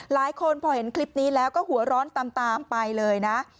หลายคนพอเห็นคลิปนี้แล้วก็หัวร้อนตามไปเลยนะ